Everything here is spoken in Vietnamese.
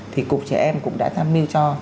thì cục trẻ em cũng đã tham mưu cho